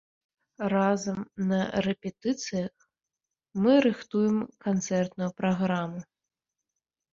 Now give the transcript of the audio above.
Разам на рэпетыцыях мы рыхтуем канцэртную праграму.